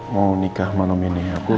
mau nikah malam ini